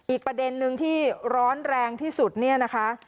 อีกประเด็นนึงที่ร้อนแรงที่สุดเนี่ยนะคะ